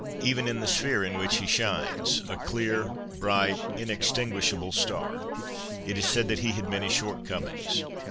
Even in the sphere in which he shines — a clear, bright, inex tinguishable star — it is said that he had many short comings.